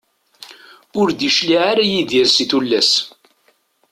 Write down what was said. Ur d-icliε ara Yidir si tullas.